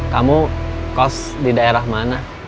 kamu cost di daerah mana